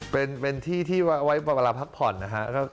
เป็นที่ที่ไว้เวลาพักผ่อนนะครับ